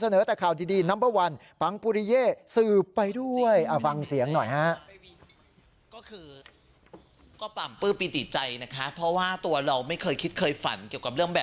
น้องน้องน้องน้องน้องน้องน้องน้อง